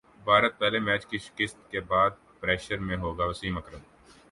بھارت پہلے میچ کی شکست کے بعد پریشر میں ہوگاوسیم اکرم